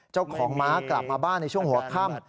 เจ้าของม้ากลับมาบ้านในช่วงหัวค่ำ